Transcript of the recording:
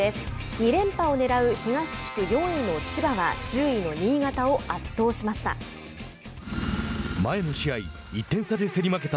２連覇をねらう東地区４位の千葉は１０位の新潟を圧倒しました。